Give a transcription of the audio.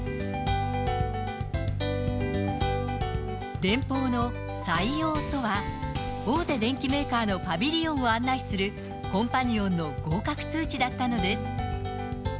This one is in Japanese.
電報の採用とは、大手電機メーカーのパビリオンを案内するコンパニオンの合格通知だったのです。